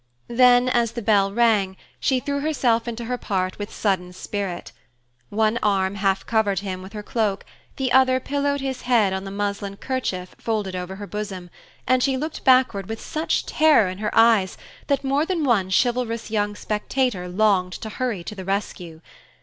Then, as the bell rang, she threw herself into her part with sudden spirit. One arm half covered him with her cloak, the other pillowed his head on the muslin kerchief folded over her bosom, and she looked backward with such terror in her eyes that more than one chivalrous young spectator longed to hurry to the rescue.